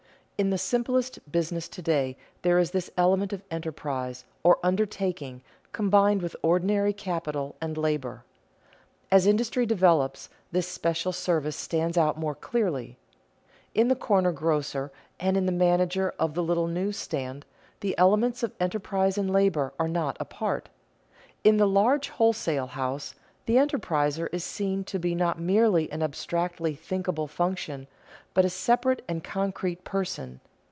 In the simplest business to day there is this element of enterprise, or undertaking, combined with ordinary capital and labor. As industry develops, this special service stands out more clearly. In the corner grocer and in the manager of the little news stand, the elements of enterprise and labor are not apart. In the large wholesale house, the enterpriser is seen to be not merely an abstractly thinkable function, but a separate and concrete person.